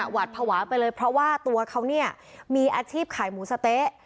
หวาดภาวะไปเลยเพราะว่าตัวเขาเนี่ยมีอาชีพขายหมูสะเต๊ะ